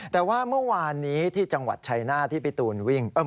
แต่ว่าเมื่อวานนี้ที่จังหวัดชัยหน้าที่พี่ตูนวิ่ง